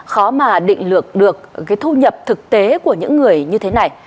khó mà định lược được cái thu nhập thực tế của những người như thế này